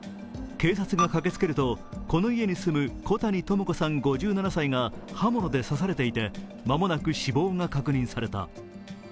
警察が駆けつけると、この家に住む小谷朋子さん５７歳が刃物で刺されていて間もなく死亡が確認された。